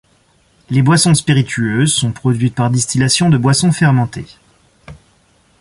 Les boissons spiritueuses sont produites par distillation de boissons fermentées.